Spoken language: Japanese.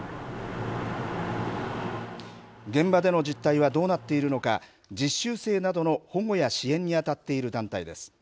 現場での実態はどうなっているのか、実習生などの保護や支援に当たっている団体です。